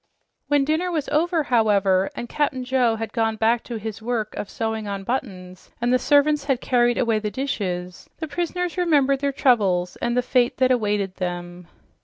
When dinner was over, however, and Cap'n Joe had gone back to his work of sewing on buttons and the servants had carried away the dishes, the prisoners remembered their troubles and the fate that awaited them.